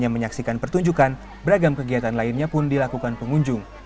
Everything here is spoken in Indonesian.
yang menyaksikan pertunjukan beragam kegiatan lainnya pun dilakukan pengunjung